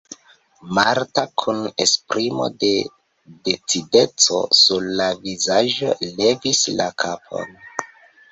Marta kun esprimo de decideco sur la vizaĝo levis la kapon.